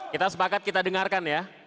kita sepakat kita dengarkan ya